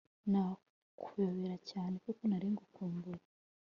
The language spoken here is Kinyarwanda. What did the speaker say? nakuhobera cyane kuko nari nkukumbuye